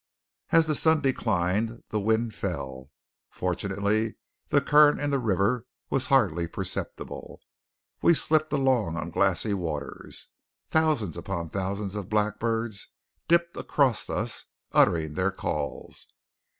As the sun declined, the wind fell. Fortunately the current in the river was hardly perceptible. We slipped along on glassy waters. Thousands upon thousands of blackbirds dipped across us uttering their calls.